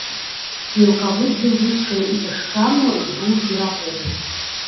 Мелкаводдзе вузкае і пясчанае ўздоўж берагоў.